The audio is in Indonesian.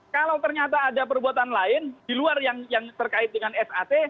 kalau ternyata ada perbuatan lain di luar yang terkait dengan sat